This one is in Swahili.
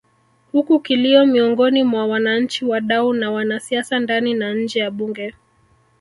Huku kilio miongoni mwa wananchi wadau na wanasiasa ndani na nje ya Bunge